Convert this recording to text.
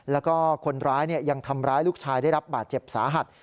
แล้วก็คนร้ายยังทำร้ายลูกชายได้รับบาดเจ็บสาหัส